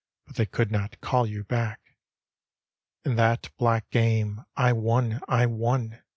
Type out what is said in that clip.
But they could not call you back! " In that black game I won, I won!